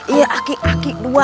ini aku aku dua